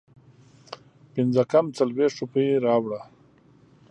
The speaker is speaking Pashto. پنځه کم څلوېښت روپۍ راوړه